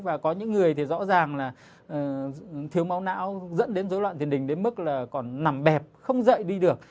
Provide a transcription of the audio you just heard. và có những người thì rõ ràng là thiếu máu não dẫn đến dối loạn tiền đỉnh đến mức là còn nằm bẹp không dậy đi được